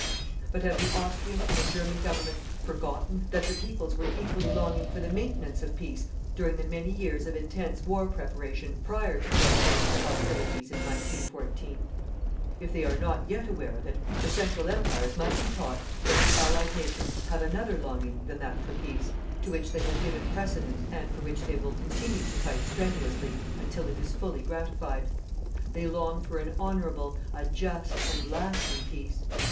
But have the Austrian and the German Governments forgotten that the peoples were equally longing for the maintenance of peace during the many years of intense war preparation prior to the outbreak of the hostilities in 1914? If they are not yet aware of it, the Central Empires must be taught that the Allied nations have another longing than that for peace, to which they have given precedence and for which they will continue to fight strenuously until it is fully gratified. They long for an honourable, a just and lasting peace.